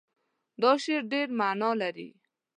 دا شعر ډېر معنا لري.